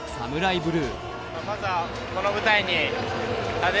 ブルー。